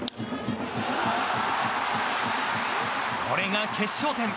これが決勝点。